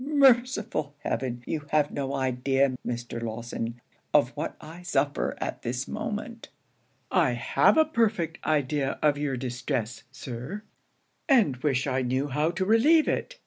Merciful heaven! you have no idea, Mr. Lawson, of what I suffer at this moment!' 'I have a perfect idea of your distress, Sir; and wish I knew how to relieve it.